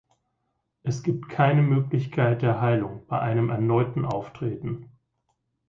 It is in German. Es gibt keine Möglichkeit der Heilung bei einem erneuten Auftreten.